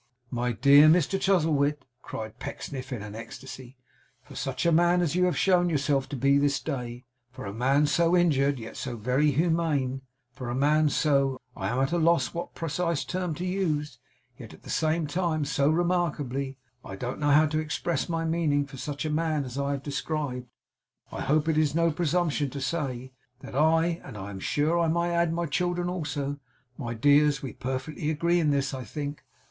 'My dear Mr Chuzzlewit,' cried Pecksniff in an ecstasy, 'for such a man as you have shown yourself to be this day; for a man so injured, yet so very humane; for a man so I am at a loss what precise term to use yet at the same time so remarkably I don't know how to express my meaning; for such a man as I have described, I hope it is no presumption to say that I, and I am sure I may add my children also (my dears, we perfectly agree in this, I think?)